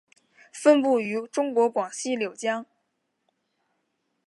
分布于中国广西柳江。